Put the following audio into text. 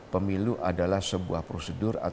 pemilu adalah sebuah prosedur